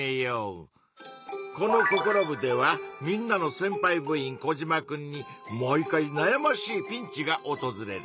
この「ココロ部！」ではみんなのせんぱい部員コジマくんに毎回なやましいピンチがおとずれる。